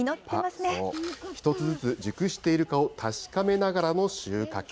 １つずつ熟しているかを確かめながらの収穫。